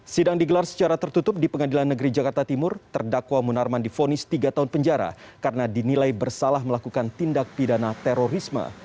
sidang digelar secara tertutup di pengadilan negeri jakarta timur terdakwa munarman difonis tiga tahun penjara karena dinilai bersalah melakukan tindak pidana terorisme